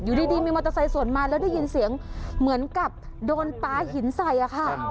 อยู่ดีมีมอเตอร์ไซค์สวนมาแล้วได้ยินเสียงเหมือนกับโดนปลาหินใส่อะค่ะ